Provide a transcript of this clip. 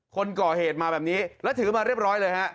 คนก่อเหตุมาแบบนี้แล้วถือมาเรียบร้อยเลยฮะ